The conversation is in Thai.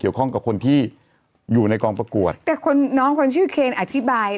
ข้อกับคนที่อยู่ในกองประกวดแต่คนน้องคนชื่อเคนอธิบาย